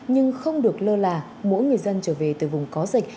nhưng không được lơ là mỗi người dân trở về từ vùng có dịch